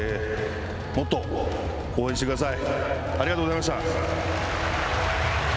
もっと応援してください。